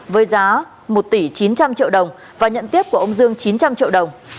với giá một tỷ chín trăm linh triệu đồng và nhận tiếp của ông dương chín trăm linh triệu đồng